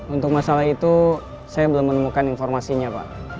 untuk masalah itu saya belum menemukan informasinya pak